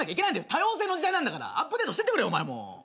多様性の時代なんだからアップデートしてくれよお前も。